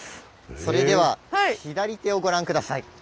それでは左手をご覧ください。